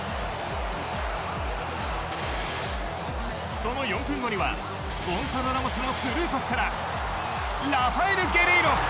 その４分後にはゴンサロ・ラモスのスルーパスからラファエル・ゲレイロ。